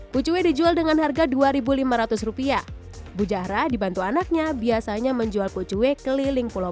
fukcue dijual dengan harga rp dua lima ratus bujara dibantu anaknya biasanya menjual fukcue keliling pulau